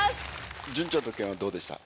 潤ちゃんと健はどうでした？